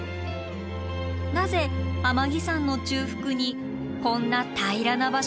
なぜ天城山の中腹にこんな平らな場所があるのでしょう？